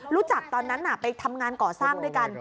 ตอนนั้นไปทำงานก่อสร้างด้วยกัน